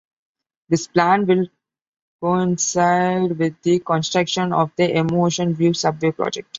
This plan will coincide with the construction of the M Ocean View subway project.